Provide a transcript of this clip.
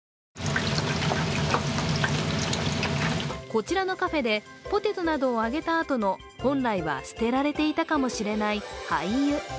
こちらのカフェでポテトなどを揚げていたあとの本来は捨てられていたかもしれない廃油。